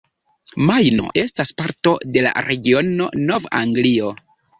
Majno estas parto de la regiono Nov-Anglio.